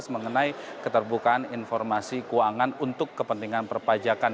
mengenai keterbukaan informasi keuangan untuk kepentingan perpajakan